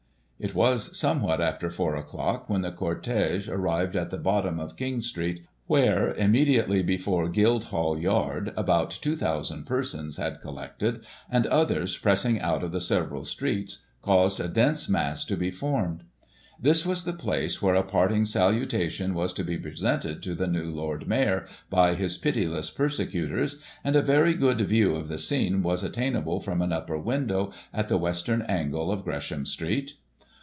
" It was somewhat after 4 o'clock, when the cortege arrived •at the bottom of King Street, where, immediately before Guildhall Yard, about 2,000 persons had collected, and others pressing out of the several streets, caused a dense mass to be formed. This was the place where a parting salutation was to be presented to the new Lord Mayor, by his pitiless persecutors, and a very good view of the scene was attainable from an upper window at the western angle of Gresham Street.